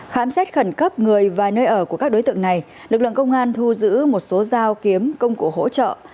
khám xét khẩn cấp người và nơi ở của các đối tượng này lực lượng công an thu giữ một số dao kiếm công cụ hỗ trợ